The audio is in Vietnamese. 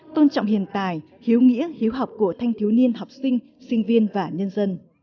tôn trọng hiện tài hiếu nghĩa hiếu học của thanh thiếu niên học sinh sinh viên và nhân dân